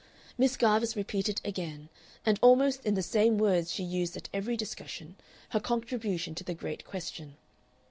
Miss Garvice repeated again, and almost in the same words she used at every discussion, her contribution to the great question.